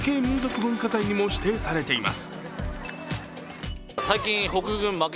文化財にも指定されています。